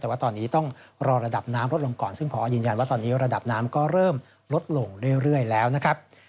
แต่ว่าตอนนี้ต้องรอระดับน้ำลดลงก่อนซึ่งพอยืนยันว่าตอนนี้ระดับน้ำก็เริ่มลดลงเรื่อยแล้วนะครับ